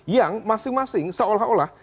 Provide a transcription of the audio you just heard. yang masing masing seolah olah